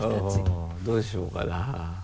うんどうしようかな。